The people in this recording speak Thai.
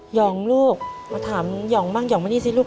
หย่องลูกถามหย่องมั้งหย่องมานี่สิลูก